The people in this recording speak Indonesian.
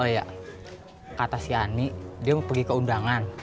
oh iya kata si ani dia mau pergi ke undangan